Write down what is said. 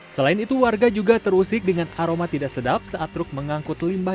selain itu warga juga terusik dengan aroma tidak sedap saat truk mengangkut limbah